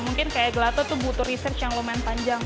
mungkin kayak gelato tuh butuh research yang lumayan panjang